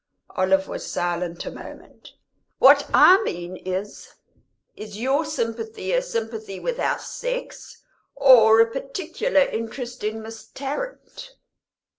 Olive was silent a moment. "What I mean is is your sympathy a sympathy with our sex, or a particular interest in Miss Tarrant?"